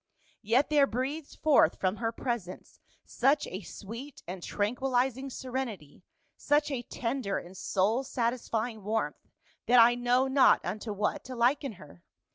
Yet there breathed forth from her presence such a sweet and tranquilizing serenity, such a tender and soul satisfying warmth, that I know not unto what to liken her.